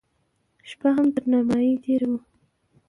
شپه هم تر نيمايي تېره وه.